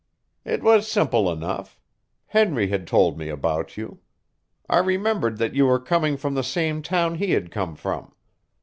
"It was simple enough. Henry had told me about you. I remembered that you were coming from the same town he had come from.